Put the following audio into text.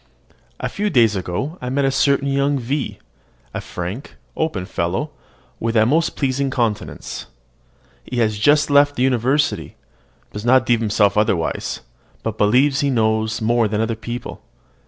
A few days ago I met a certain young V , a frank, open fellow, with a most pleasing countenance. He has just left the university, does not deem himself overwise, but believes he knows more than other people.